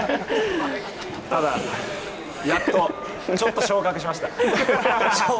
ただ、やっとちょっと昇格しました。